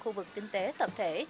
khu vực kinh tế tập thể